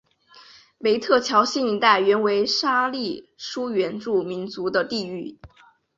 梅特乔辛一带原为沙利殊原住民族的地域。